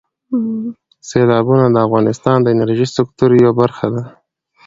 سیلابونه د افغانستان د انرژۍ سکتور یوه برخه ده.